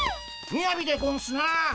みやびでゴンスな。